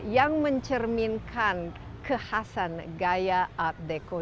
yang mencerminkan kekhasan gaya art deco